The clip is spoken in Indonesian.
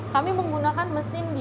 kami menggunakan mesin dgx a seratus ini